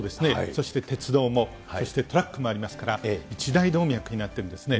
そして鉄道も、そしてトラックもありますから、一大動脈になってるんですね。